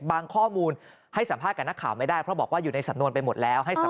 ข้อมูลให้สัมภาษณ์กับนักข่าวไม่ได้เพราะบอกว่าอยู่ในสำนวนไปหมดแล้ว